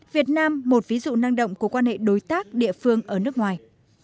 việt nam một ví dụ năng động của quan hệ đối tác địa phương ở nước ngoài